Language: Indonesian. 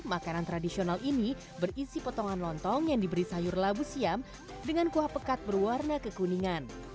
makanan tradisional ini berisi potongan lontong yang diberi sayur labu siam dengan kuah pekat berwarna kekuningan